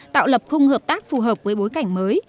tạo lập khung hợp tác phù hợp với bối cảnh mới